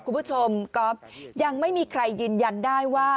คุณผู้ชมก๊อฟยังไม่มีใครยืนยันได้ว่า